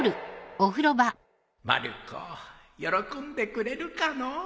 まる子喜んでくれるかのう。